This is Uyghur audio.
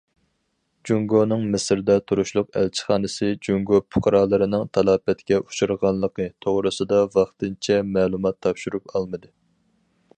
جۇڭگونىڭ مىسىردا تۇرۇشلۇق ئەلچىخانىسى جۇڭگو پۇقرالىرىنىڭ تالاپەتكە ئۇچرىغانلىقى توغرىسىدا ۋاقتىنچە مەلۇمات تاپشۇرۇپ ئالمىدى.